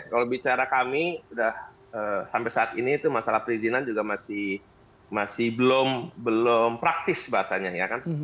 kalau bicara kami sampai saat ini itu masalah perizinan juga masih belum praktis bahasanya ya kan